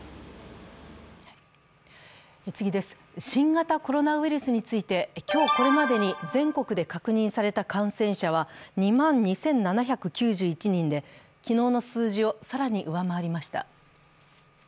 新型コロナウイルスについて今日これまでに全国で確認された感染者は２万２７９１人で昨日の数字を更に上回りました。